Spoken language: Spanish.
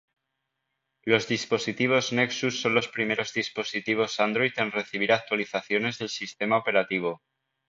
Los dispositivos Nexus son los primeros dispositivos Android en recibir actualizaciones del sistema operativo.